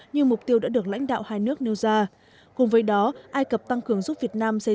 như mục tiêu đã được lãnh đạo hai nước nêu ra cùng với đó ai cập tăng cường giúp việt nam xây dựng